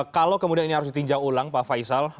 kalau kemudian ini harus ditinjau ulang pak faisal